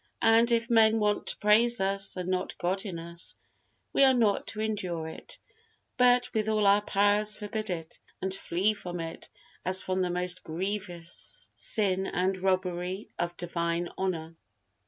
And if men want to praise us and not God in us, we are not to endure it, but with all our powers forbid it and flee from it as from the most grievous sin and robbery of divine honor.